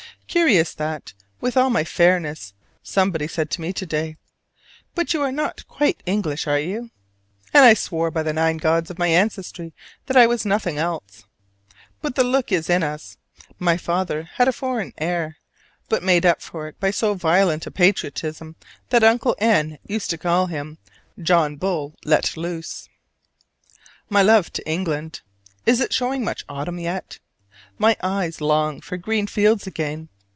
Curious that, with all my fairness, somebody said to me to day, "But you are not quite English, are you?" And I swore by the nine gods of my ancestry that I was nothing else. But the look is in us: my father had a foreign air, but made up for it by so violent a patriotism that Uncle N. used to call him "John Bull let loose." My love to England. Is it showing much autumn yet? My eyes long for green fields again.